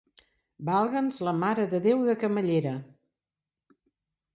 Valga'ns la Mare de Déu de Camallera!